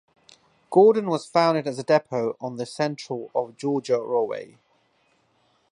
Gordon was founded as a depot on the Central of Georgia Railway.